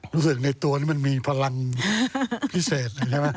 รู้สึกในตัวนี้มันมีพลังพิเศษ